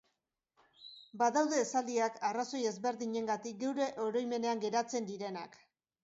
Badaude esaldiak, arrazoi ezberdinengatik, geure oroimenean geratzen direnak.